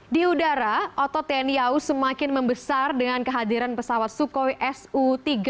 di udara otot tniau semakin membesar dengan kehadiran pesawat sukhoi su tiga puluh lima